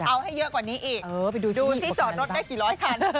เอาให้เยอะกว่านี้อีกดูสิจอดรถได้กี่ร้อยคัน